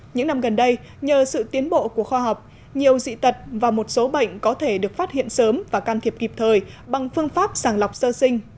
những năm gần đây nhờ sự tiến bộ của khoa học nhiều dị tật và một số bệnh có thể được phát hiện sớm và can thiệp kịp thời bằng phương pháp sàng lọc sơ sinh